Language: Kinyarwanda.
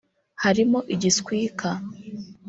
harimo igiswika